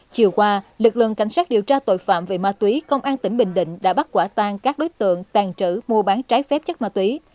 chiều qua lực lượng cảnh sát điều tra tội phạm về ma túy công an tỉnh bình định đã bắt quả tan các đối tượng tàn trữ mua bán trái phép chất ma túy